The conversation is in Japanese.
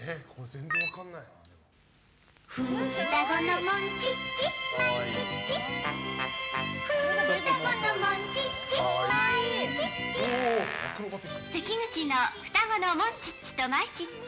双子のモンチッチマイチッチ双子のモンチッチマイチッチ。